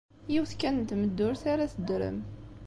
Yiwet kan n tmeddurt ara teddrem.